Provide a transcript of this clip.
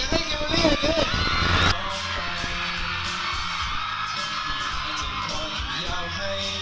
บางใครก็เป็นผู้แอบ